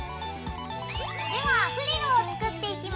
ではフリルを作っていきます。